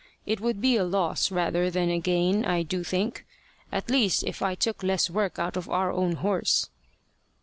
It would be a loss rather than a gain I do think at least if I took less work out of our own horse."